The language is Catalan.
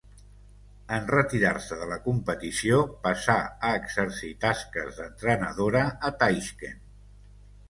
En retirar-se de la competició passà a exercir tasques d'entrenadora a Taixkent.